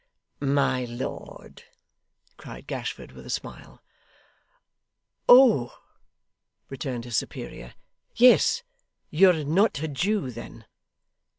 'My lord!' cried Gashford, with a smile. 'Oh!' returned his superior. 'Yes. You're not a Jew then?